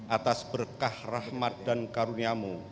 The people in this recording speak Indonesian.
atas berkah rahmat dan karuniamu